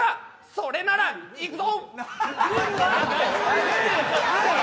それなら行くぞ？